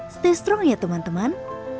stay strong ya teman teman